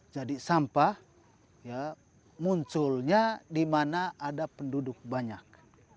jadi sampah munculnya di mana ada penduduk banyak